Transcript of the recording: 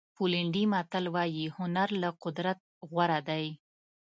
پولنډي متل وایي هنر له قدرت غوره دی.